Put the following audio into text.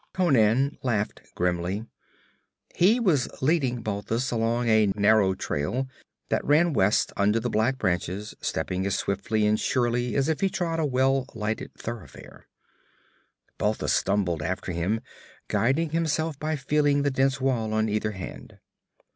Conan laughed grimly. He was leading Balthus along a narrow trail that ran west under the black branches, stepping as swiftly and surely as if he trod a well lighted thoroughfare. Balthus stumbled after him, guiding himself by feeling the dense wall on either hand.